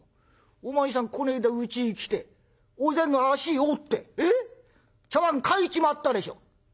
お前さんこないだうちへ来てお膳の脚折って茶碗欠いちまったでしょ」。